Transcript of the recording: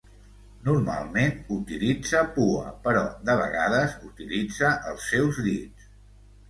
Normalment utilitza pua, però de vegades utilitza els seus dits.